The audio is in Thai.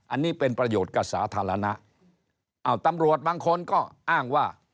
อันนี้เป็นประโยชน์กับสาธารณะอ้าวตำรวจบางคนก็อ้างว่า